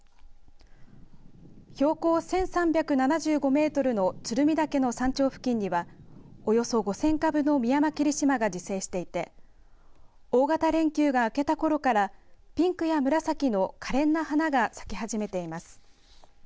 標高１３７５メートルの鶴見岳の山頂付近にはおよそ５０００株のミヤマキリシマが自生していて大型連休が明けたころからピンクや紫のかれんな花が咲き始めています。